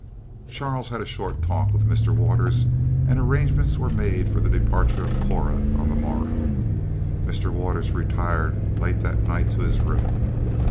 Charles had a short talk with Mr. Waters, and arrangements were made for the departure of Cora on the morrow. Mr. Waters retired late that night to his room.